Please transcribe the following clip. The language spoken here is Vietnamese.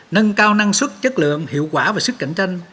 nâng cao năng suất chất lượng hiệu quả và sức cạnh tranh